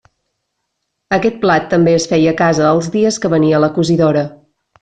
Aquest plat també es feia a casa els dies que venia la cosidora.